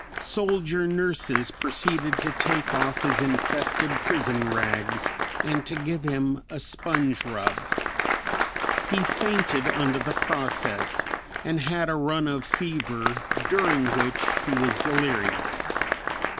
Soldier nurses proceeded to take off his infested prison rags and to give him a sponge rub. He fainted under the process and had a run of fever during which he was delirious.